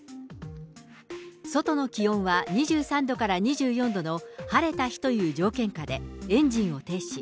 外の気温は２３度から２４度の晴れた日という条件下でエンジンを停止。